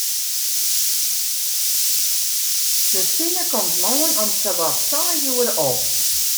De sinne komt moarn om sawat seis oere op.